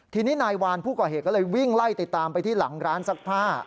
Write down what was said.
ทีนี้นายวานผู้ก่อเหตุก็เลยวิ่งไล่ติดตามไปที่หลังร้านซักผ้า